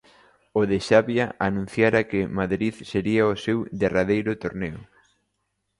O de Xávea anunciara que Madrid sería o seu derradeiro torneo.